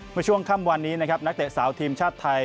เมื่อช่วงค่ำวันนี้นะครับนักเตะสาวทีมชาติไทย